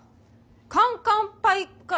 カンカンパイカ。